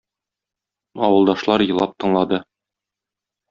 Авылдашлар елап тыңлады.